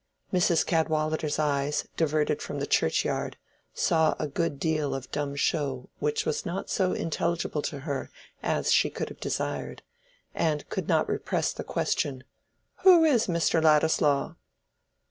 Mrs. Cadwallader's eyes, diverted from the churchyard, saw a good deal of dumb show which was not so intelligible to her as she could have desired, and could not repress the question, "Who is Mr. Ladislaw?"